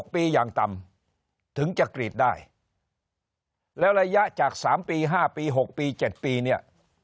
ปีอย่างต่ำถึงจะกรีดได้แล้วระยะจาก๓ปี๕ปี๖ปี๗ปีเนี่ย